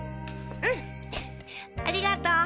うんありがとう。